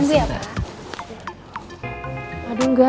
iya tunggu ya pak